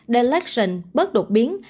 the election bớt đột biến